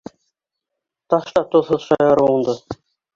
Ташла тоҙһоҙ шаярыуыңды!